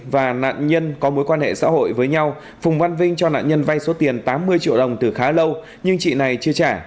và nạn nhân có mối quan hệ xã hội với nhau phùng văn vinh cho nạn nhân vay số tiền tám mươi triệu đồng từ khá lâu nhưng chị này chưa trả